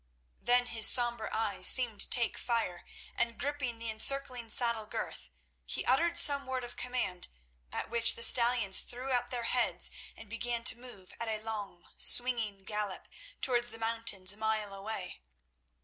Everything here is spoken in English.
Then his sombre eyes seemed to take fire, and gripping the encircling saddle girth, he uttered some word of command, at which the stallions threw up their heads and began to move at a long, swinging gallop towards the mountains a mile away.